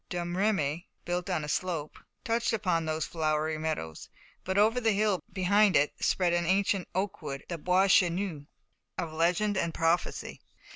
Domremy, built on a slope, touched upon those flowery meadows, but over the hill behind it spread an ancient oakwood, the Bois Chesnu of legend and prophecy.